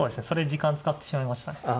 それで時間を使ってしまいましたね。